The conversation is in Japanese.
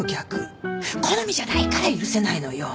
好みじゃないから許せないのよ。